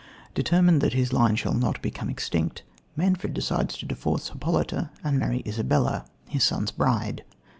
Determined that his line shall not become extinct, Manfred decides to divorce Hippolyta and marry Isabella, his son's bride.